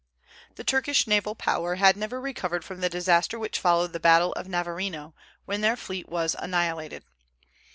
The Turkish naval power had never recovered from the disaster which followed the battle of Navarino, when their fleet was annihilated.